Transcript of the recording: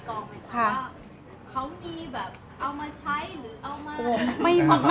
เขามีแบบเอามาใช้หรือเอามา